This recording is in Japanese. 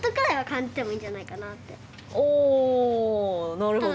なるほど。